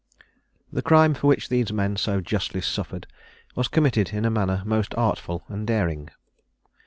The crime for which these men so justly suffered was committed in a manner most artful and daring.